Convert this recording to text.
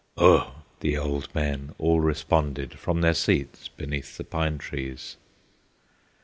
"Ugh!" the old men all responded From their seats beneath the pine trees.